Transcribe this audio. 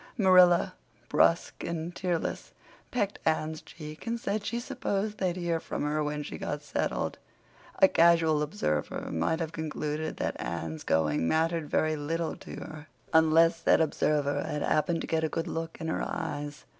Marilla, brusque and tearless, pecked Anne's cheek and said she supposed they'd hear from her when she got settled. A casual observer might have concluded that Anne's going mattered very little to her—unless said observer had happened to get a good look in her eyes.